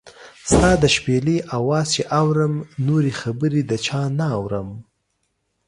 ستا د شپېلۍ اواز چې اورم، نورې خبرې د چا نۀ اورم